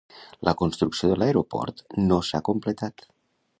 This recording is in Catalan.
La construcció de l'aeroport no s'ha completat.